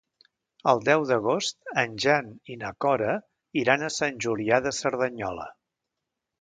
El deu d'agost en Jan i na Cora iran a Sant Julià de Cerdanyola.